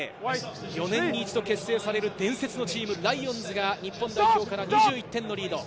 ４年に一度結成される伝説のチーム、ライオンズが日本代表から２１点のリード。